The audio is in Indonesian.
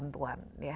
butuh bantuan ya